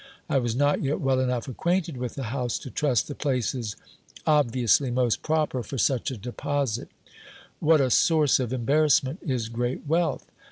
I was not yet well enough acquainted with the house to trust the places obviously most proper for such a deposit What a source of embarrassment is great wealth!